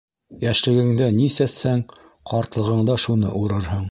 Йәшлегеңдә ни сәсһәң, ҡартлығында шуны урырһың.